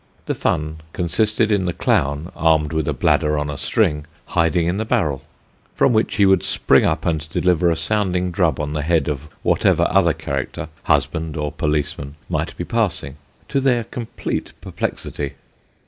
The fun consisted in the clown, armed with a bladder on a string, hiding in the barrel, from which he would spring up and deliver a sounding drub upon the head of whatever other character husband or policeman might be passing, to their complete perplexity.